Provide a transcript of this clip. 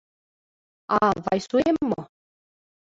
А Вайсуэм мо?